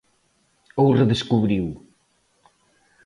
Ou redescubriu...